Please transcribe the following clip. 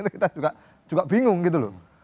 kita juga bingung gitu loh